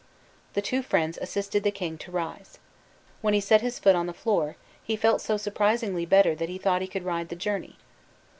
The two friends assisted the king to rise. When he set his food on the floor, he felt so surprisingly better that he though he could ride the journey.